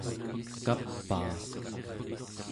kapaa